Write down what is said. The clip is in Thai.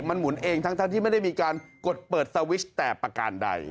มันหมุนเองทั้งที่ไม่ได้มีการกดเปิดสวิชแต่ประการใด